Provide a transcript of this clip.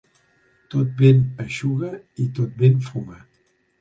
Tot vent eixuga i tot vent fuma.